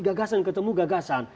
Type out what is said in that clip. gagasan ketemu gagasan